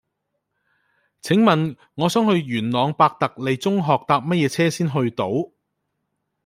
請問我想去元朗伯特利中學搭乜嘢車先去到